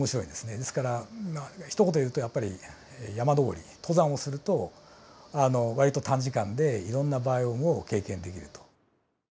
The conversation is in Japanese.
ですからひと言でいうとやっぱり山登り登山をすると割と短時間でいろんなバイオームを経験できると。